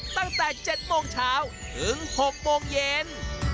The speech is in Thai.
ตั้งแต่๗โมงเช้าถึง๖โมงเย็น